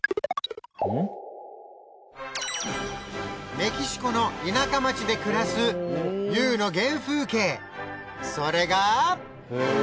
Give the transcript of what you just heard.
メキシコの田舎町で暮らすＹＯＵの原風景それが。